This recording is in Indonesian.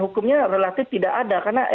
hukumnya relatif tidak ada karena